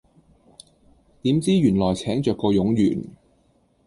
點知原來請著個冗員